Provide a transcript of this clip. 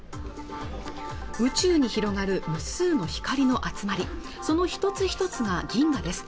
宇宙に広がる無数の光の集まりその一つ一つが銀河です